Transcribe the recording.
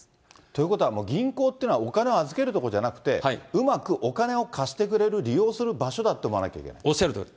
ということはもう銀行というのは、お金を預ける所じゃなくて、うまくお金を貸してくれる、利用する場所だと思わなきゃいけない。